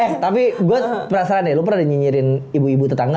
eh tapi gue penasaran ya lo pernah dinyinyirin ibu ibu tetangga gak